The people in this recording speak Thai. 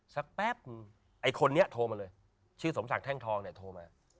แป๊บไอ้คนนี้โทรมาเลยชื่อสมศักดิแท่งทองเนี่ยโทรมา